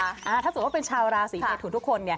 ถ้าสมมุติว่าเป็นชาวราศีเมทุนทุกคน